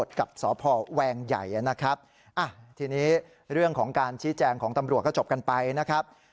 ทีนี้เรื่องของการชี้แจงของตำรวจก็จบกันไปนะครับ